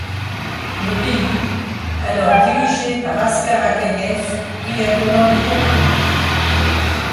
Le pays, alors dirigé par Askar Akaïev, prit un tournant libéral.